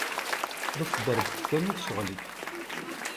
D asderbek kan i d ccɣel-ik.